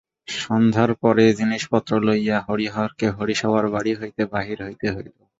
সন্ধ্যার পরে জিনিসপত্র লইয়া হরিহরকে হরিসভার বাড়ি হইতে বাহির হইতে হইল।